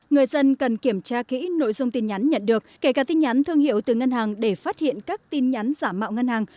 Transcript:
người dân cần kiểm tra kỹ nội dung tin nhắn nhận được kể cả tin nhắn thương hiệu từ ngân hàng để phát hiện các tin nhắn giả mạo ngân hàng